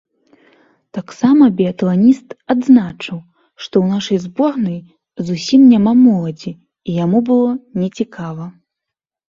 Таксама біятланіст адзначыў, што ў нашай зборнай зусім няма моладзі і яму было нецікава.